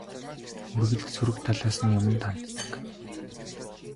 Үргэлж сөрөг талаас нь юманд ханддаг.